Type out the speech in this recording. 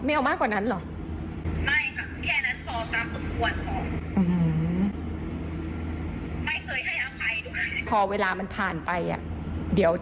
แต่วันหน้าตอนนี้ยาก